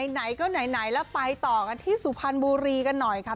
ไหนก็ไหนแล้วไปต่อกันที่สุพรรณบุรีกันหน่อยค่ะ